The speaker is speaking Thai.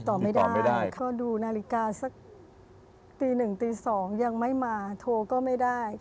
ติดต่อไม่ได้ดูนาฬิกาสักตี๑ตี๒ยังไม่มาโทรก็ไม่ได้